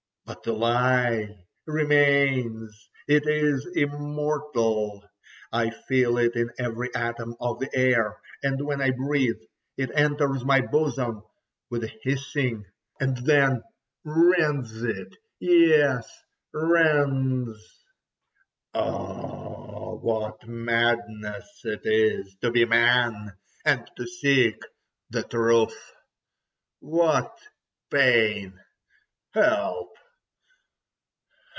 But the lie remains, it is immortal. I feel it in every atom of the air, and when I breathe, it enters my bosom with a hissing, and then rends it—yes, rends! Oh! what madness it is—to be man and to seek the truth! What pain! Help!